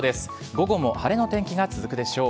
午後も晴れの天気が続くでしょう。